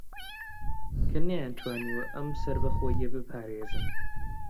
کە نەیانتوانیوە ئەم سەربەخۆیییە بپارێزن